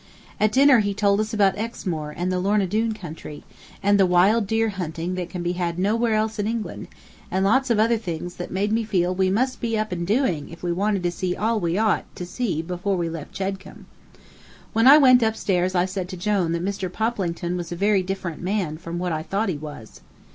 At dinner he told us about Exmoor and the Lorna Doone country, and the wild deer hunting that can be had nowhere else in England, and lots of other things that made me feel we must be up and doing if we wanted to see all we ought to see before we left Chedcombe. When I went upstairs I said to Jone that Mr. Poplington was a very different man from what I thought he was.